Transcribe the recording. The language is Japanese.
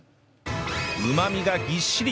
うまみがぎっしり！